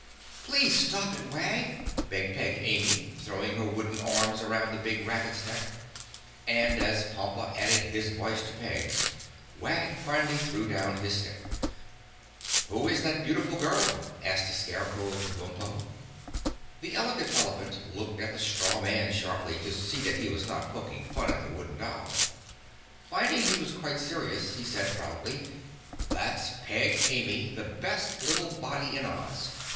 "Please stop it, Wag," begged Peg Amy, throwing her wooden arms around the big rabbit's neck, and as Pompa added his voice to Peg's, Wag finally threw down his stick. "Who is that beautiful girl?" asked the Scarecrow of Kabumpo. The Elegant Elephant looked at the Straw Man sharply, to see that he was not poking fun at the Wooden Doll. Finding he was quite serious, he said proudly, "That's Peg Amy, the best little body in Oz.